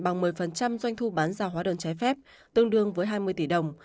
bằng một mươi doanh thu bán ra hóa đơn trái phép tương đương với hai mươi tỷ đồng